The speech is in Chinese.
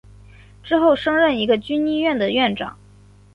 之后升任一个军医院的院长。